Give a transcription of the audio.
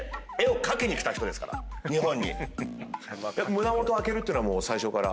胸元開けるってのは最初から？